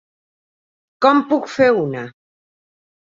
Com puc fer una.?